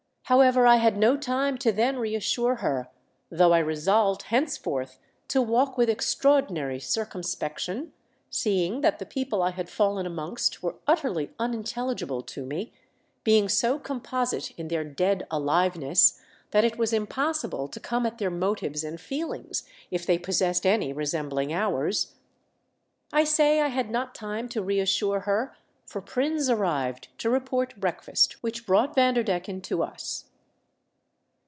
However, I had no time to then reassure her, though I resolved henceforth to walk with extraor dinary circumspection, seeing that the people I had fallen amongst were utterly unintel ligible to me, being so composite in their dead aliveness that it was impossible to come at their motives and feelings, if they pos sessed any resembling ours. I say I had not time to reassure her, for Prins arrived to report breakfast, which brought Vander decken to us.